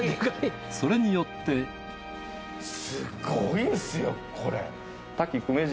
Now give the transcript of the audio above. それによってすごいですよこれ。